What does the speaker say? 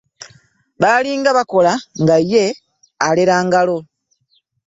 Balinga bakola ngaye aleera ngalo.